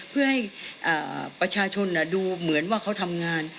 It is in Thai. เพื่อให้ประชาชนดูเหมือนว่าเขาทำงาน